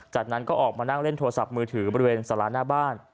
จากนั้นก็ออกมานั่งเล่นโทรศัพท์มือถือบริเวณสาราหน้าบ้าน